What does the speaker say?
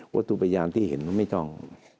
ว่าอันตรูพยาบาลที่เห็นก็ไม่ต้อง